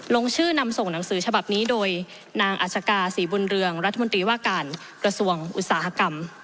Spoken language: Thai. ลงชื่อนำส่งหนังสือฉบับนี้โดยนางอัชกาศรีบุญเรืองรัฐมนตรีว่าการกระทรวงอุตสาหกรรม